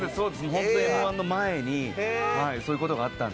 ホント『Ｍー１』の前にそういうことがあったんで。